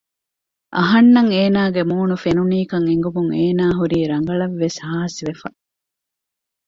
އަހަންނަށް އޭނާގެ މޫނު ފެނުނީކަން އެނގުމުން އޭނާ ހުރީ ރަނގަޅަށްވެސް ހާސްވެފަ